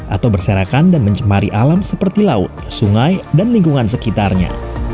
atau berserakan dan mencemari alam seperti laut sungai dan lingkungan sekitarnya